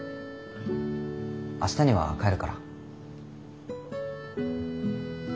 明日には帰るから。